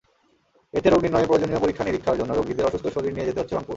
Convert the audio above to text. এতে রোগনির্ণয়ে প্রয়োজনীয় পরীক্ষা-নিরীক্ষার জন্য রোগীদের অসুস্থ শরীর নিয়ে যেতে হচ্ছে রংপুর।